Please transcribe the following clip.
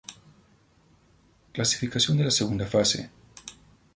Clasificación de la segunda fase.